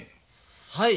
はい。